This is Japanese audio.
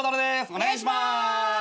お願いします